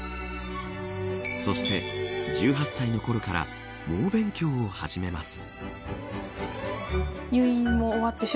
そして、１８歳のころから猛勉強を始めます。